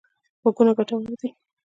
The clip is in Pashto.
غوږونه ګټور دي.